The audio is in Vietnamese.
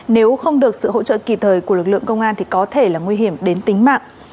nếu không được sự hỗ trợ kịp thời của lực lượng công an thì có thể là nguy hiểm đến tính mạng